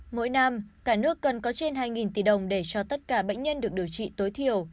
mỗi năm cả nước cần có trên hai tỷ đồng để cho tất cả bệnh nhân được điều trị tối thiểu